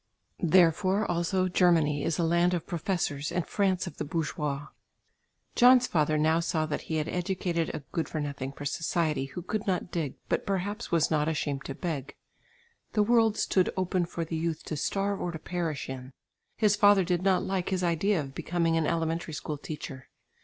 Therefore also Germany is a land of professors and France of the bourgeois. John's father now saw that he had educated a good for nothing for society who could not dig, but perhaps was not ashamed to beg. The world stood open for the youth to starve or to perish in. His father did not like his idea of becoming an elementary school teacher.